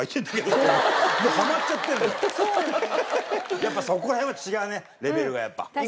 やっぱそこら辺は違うねレベルがやっぱ。